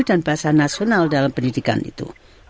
dan bahasa nasional dalam pendidikan itu